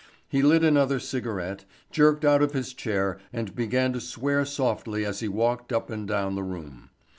He lit another cigarette, jerked out of his chair and began to swear softly as he walked up and down the room.